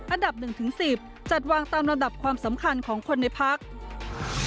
อันดับ๑๑๐จัดวางตามระดับความสำคัญของคนในพัก